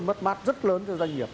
mất mát rất lớn cho doanh nghiệp